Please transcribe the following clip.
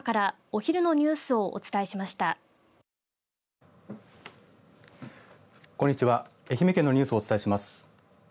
愛媛県のニュースをお伝えします。